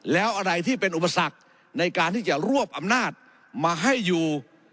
แล้วอะไรที่เป็นอุปสรรคในการที่จะรวบอำนาจมาให้อยู่